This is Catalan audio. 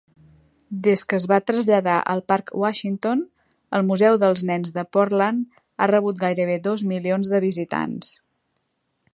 Des que es va traslladar al Parc Washington, el museu dels Nens de Portland ha rebut gairebé dos milions de visitants.